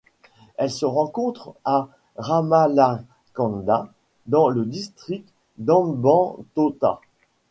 Elle se rencontre à Rammalakanda dans le district d'Hambantota.